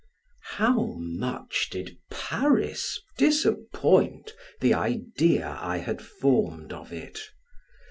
How much did Paris disappoint the idea I had formed of it!